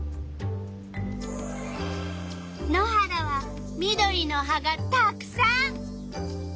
野原は緑の葉がたくさん。